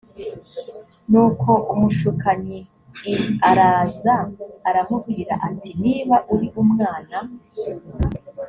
nuko umushukanyi l araza aramubwira ati niba uri umwana